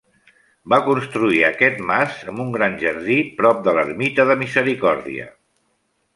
Va construir aquest mas amb un gran jardí prop de l'ermita de Misericòrdia.